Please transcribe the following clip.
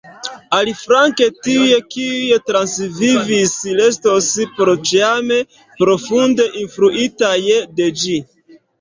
Aliflanke, tiuj kiuj transvivis restos porĉiame profunde influitaj de ĝi.